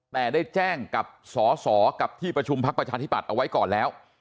แต่ได้แจ้งกับสอสอกับที่ประชุมพักประชาธิบัตย์เอาไว้ก่อนแล้ว